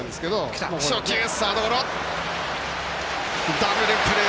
ダブルプレー！